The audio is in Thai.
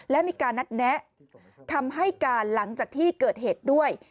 และมีการนัดแนะคำให้การหลังจากที่เกิดเหตุด้วย